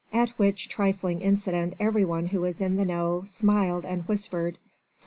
At which trifling incident every one who was in the know smiled and whispered, for M.